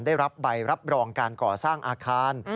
ได้รับใบรับรองการก่อสร้างอาคาร